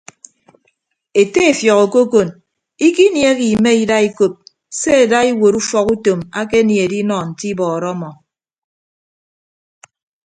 Ete efiọk okokon ikiniehe ime ida ikop se ada iwuot ufọk utom akenie edinọ nte ibọọrọ ọmọ.